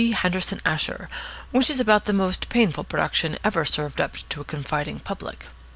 Henderson Asher, which is about the most painful production ever served up to a confiding public.